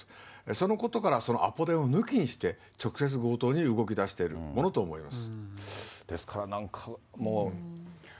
そのことから、アポ電を抜きにして、直接強盗に動きだしているものと思います。